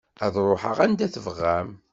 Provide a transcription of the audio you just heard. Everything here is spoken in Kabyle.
Ad ruḥeɣ anda tebɣam.